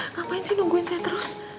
ngapain sih nungguin saya terus